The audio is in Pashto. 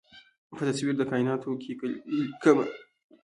په تصویر د کائیناتو کې ليکمه